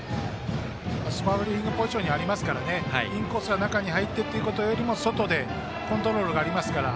スコアリングポジションにありますからね、インコースが中に入ってというより外でコントロールがありますから。